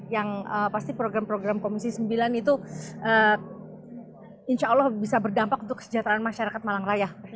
yang pasti program program komisi sembilan itu insya allah bisa berdampak untuk kesejahteraan masyarakat malang raya